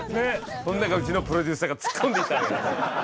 その中うちのプロデューサーが突っ込んでいった。